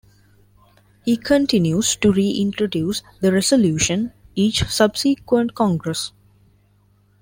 He continues to reintroduce the resolution each subsequent Congress.